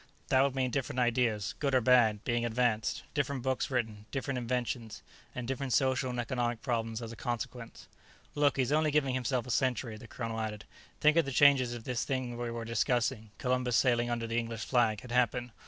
That would mean different ideas, good or bad, being advanced; different books written; different inventions, and different social and economic problems as a consequence." "Look, he's only giving himself a century," the colonel added. "Think of the changes if this thing we were discussing, Columbus sailing under the English flag, had happened.